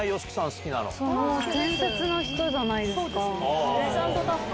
好伝説の人じゃないですか。